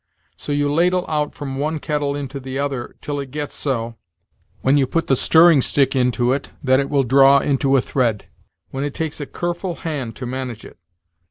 So you ladle out from one kettle into the other till it gets so, when you put the stirring stick into it, that it will draw into a thread when it takes a kerful hand to manage it.